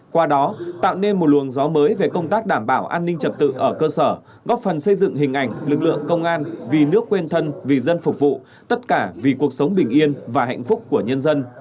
qua đó tạo nên một luồng gió mới về công tác đảm bảo an ninh trật tự ở cơ sở góp phần xây dựng hình ảnh lực lượng công an vì nước quên thân vì dân phục vụ tất cả vì cuộc sống bình yên và hạnh phúc của nhân dân